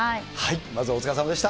まずはお疲れさまでした。